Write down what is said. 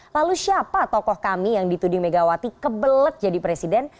lalu siapa tokoh kami yang dituding megawati kebelet jadi presiden